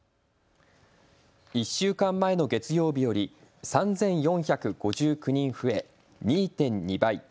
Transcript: １週間前の月曜日より３４５９人増え２．２倍。